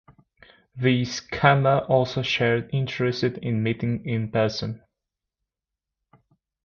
The scammer also shared interest in meeting in person.